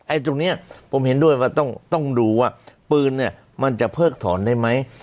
ตรงนี้ผมเห็นด้วยว่าต้องดูว่าปืนเนี่ยมันจะเพิกถอนได้ไหม